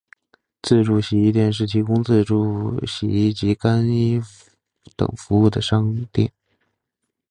自助洗衣店是提供自助洗衣及干衣等服务的商店。